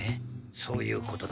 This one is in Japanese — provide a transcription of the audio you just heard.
そういうことだ。